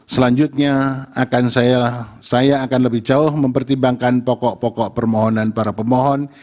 selanjutnya saya akan lebih jauh mempertimbangkan pokok pokok permohonan para pemohon